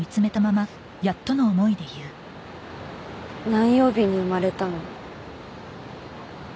何曜日に生まれたの？